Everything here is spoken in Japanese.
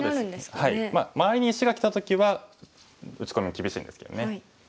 周りに石がきた時は打ち込みも厳しいんですけどね。